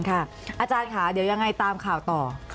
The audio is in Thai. อาจารย์ค่ะเดี๋ยวยังไงตามข่าวต่อ